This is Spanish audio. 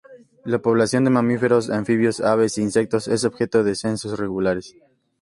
La población de mamíferos, anfibios, aves e insectos es objeto de censos regulares.